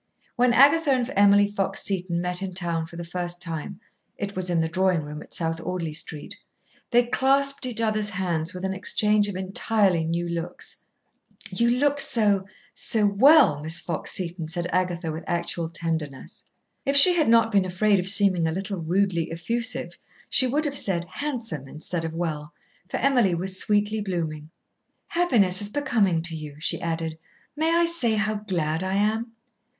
When Agatha and Emily Fox Seton met in town for the first time it was in the drawing room at South Audley Street they clasped each other's hands with an exchange of entirely new looks. "You look so so well, Miss Fox Seton," said Agatha, with actual tenderness. If she had not been afraid of seeming a little rudely effusive she would have said "handsome" instead of "well," for Emily was sweetly blooming. "Happiness is becoming to you," she added. "May I say how glad I am?"